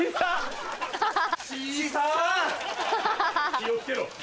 気を付けろ。